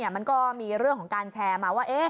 มันก็มีเรื่องของการแชร์มาว่า